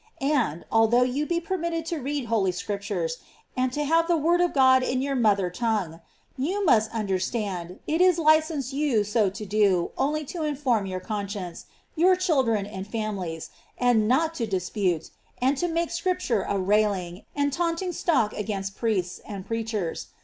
And, although you be permitted to read Holy Scriptures, and to have the Word of God in your mother tongue, you must understand it is licensed you so to do only to inform your conscience, your children, and families, and not to dispute, and to make Scripture a railing, and taunting stock against priests, and preachers.